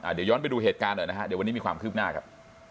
เดี๋ยวย้อนไปดูเหตุการณ์หน่อยนะฮะเดี๋ยววันนี้มีความคืบหน้าครับ